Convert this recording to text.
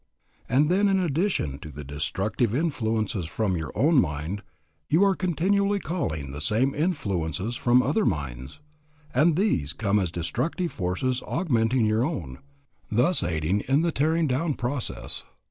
And then in addition to the destructive influences from your own mind you are continually calling the same influences from other minds, and these come as destructive forces augmenting your own, thus aiding in the tearing down process.